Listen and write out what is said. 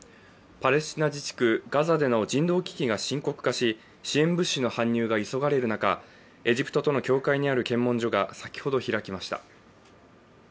パレスチナ自治区ガザでの人道危機が深刻化し支援物資の搬入が急がれる中、エジプトとの境界にある検問所が先ほど開きました。